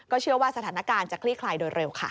เชื่อว่าสถานการณ์จะคลี่คลายโดยเร็วค่ะ